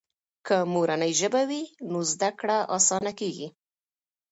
که مورنۍ ژبه وي نو زده کړه آسانه کیږي.